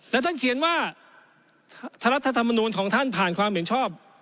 และท่านเขียนว่ารัฐธรรมนูลของท่านผ่านความเห็นชอบ